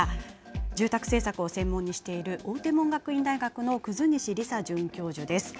住宅政策を専門にしている追手門学院大学の葛西リサ准教授です。